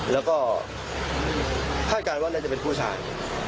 แล้วก็คาดการณ์ว่าน่าจะเป็นผู้ชาย